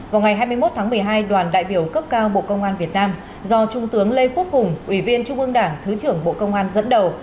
vào ngày hai mươi một tháng một mươi hai đoàn đại biểu cấp cao bộ công an việt nam do trung tướng lê quốc hùng ủy viên trung ương đảng thứ trưởng bộ công an dẫn đầu